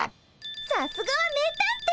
さすがは名探偵！